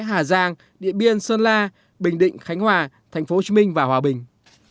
hà giang điện biên sơn la bình định khánh hòa tp hcm và hòa bình